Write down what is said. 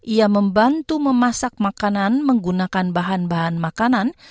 ia membantu memasak makanan menggunakan bahan bahan makanan